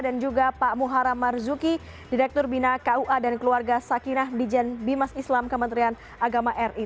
dan juga pak muharra marzuki direktur bina kua dan keluarga sakinah dijan bimas islam kementerian agama ri